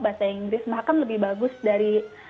bahasa inggris mahakam lebih bagus dari